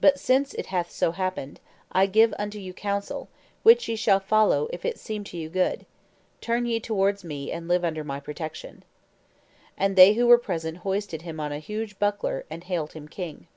But since it hath so happened, I give unto you counsel, which ye shall follow if it seem to you good; turn ye towards me, and live under my protection." And they who were present hoisted him on a huge buckler, and hailed him king.